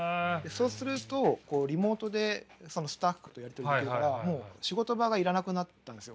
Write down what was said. そうするとこうリモートでそのスタッフとやり取りできるからもう仕事場が要らなくなったんですよ。